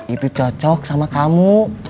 itu cocok sama kamu